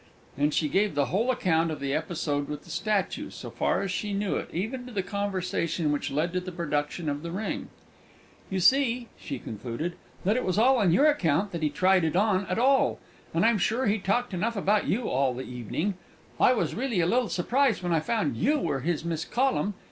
And she gave the whole account of the episode with the statue, so far as she knew it, even to the conversation which led to the production of the ring. "You see," she concluded, "that it was all on your account that he tried it on at all, and I'm sure he talked enough about you all the evening. I really was a little surprised when I found you were his Miss Collum.